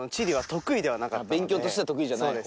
勉強としては得意じゃないほう？